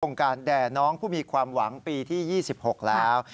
การแด่น้องผู้มีความหวังปีที่๒๖แล้ว